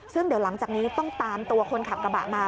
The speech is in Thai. ซึ่งเดี๋ยวหลังจากนี้ต้องตามตัวคนขับกระบะมา